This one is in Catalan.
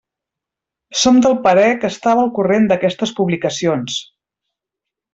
Som del parer que estava al corrent d'aquestes publicacions.